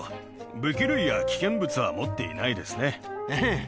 武器類や危険物はええ、持ってないです。